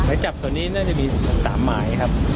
หมายจับส่วนนี้น่าจะมี๓หมายครับ